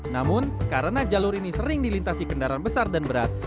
namun karena jalur ini sering dilintasi kendaraan besar dan berat